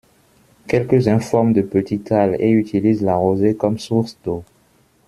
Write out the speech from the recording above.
Quelques-uns forment de petits thalles et utilisent la rosée comme source d’eau.